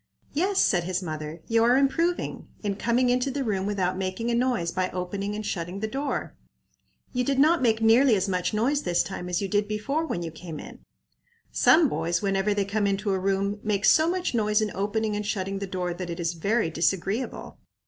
"Yes," said his mother; "you are improving, in coming into the room without making a noise by opening and shutting the door. You did not make nearly as much noise this time as you did before when you came in. Some boys, whenever they come into a room, make so much noise in opening and shutting the door that it is very disagreeable.